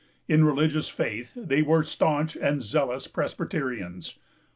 In religious faith, they were stanch and zealous Presbyterians.